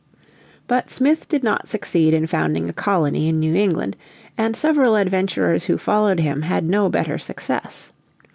But Smith did not succeed in founding a colony in New England; and several adventurers who followed him had no better success.